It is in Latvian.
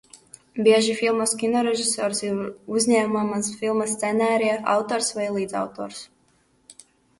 Bieži filmas kinorežisors ir uzņemamās filmas scenārija autors vai līdzautors.